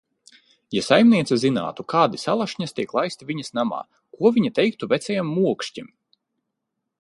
Ja saimniece zinātu, kādi salašņas tiek laisti viņas namā, ko viņa teiktu vecajam Mokšķim?